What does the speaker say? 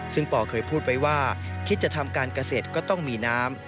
ซึ่งปอเคยพูดไว้ว่าคิดจะทำการเกษตรก็ต้องมีน้ำ